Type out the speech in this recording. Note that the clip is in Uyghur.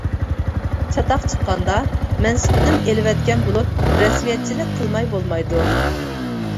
چاتاق چىققاندا، مەنسىپىدىن ئېلىۋەتكەن بولۇپ، رەسمىيەتچىلىك قىلماي بولمايدۇ.